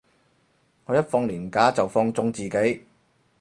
我一放連假就放縱自己